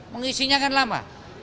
mengisinya kan lama